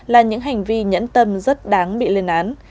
là những hành vi nhẫn tâm rất đáng bị lên án